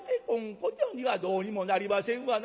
ことにはどうにもなりませんわな。